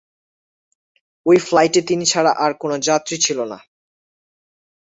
ওই ফ্লাইটে তিনি ছাড়া আর কোনো যাত্রী ছিল না।